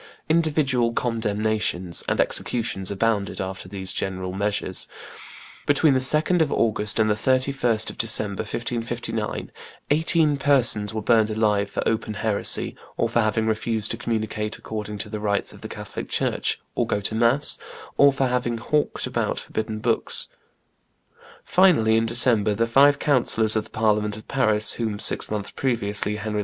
Individual condemnations and executions abounded after these general measures; between the 2d of August and the 31st of December, 1559, eighteen persons were burned alive for open heresy, or for having refused to communicate according to the rites of the Catholic church, or go to mass, or for having hawked about forbidden books. Finally, in December, the five councillors of the Parliament of Paris, whom, six months previously, Henry II.